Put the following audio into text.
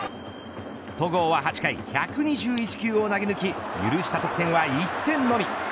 戸郷は８回１２１球を投げ抜き許した得点は１点のみ。